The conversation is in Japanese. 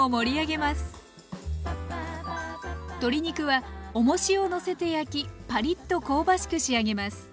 鶏肉はおもしをのせて焼きパリッと香ばしく仕上げます。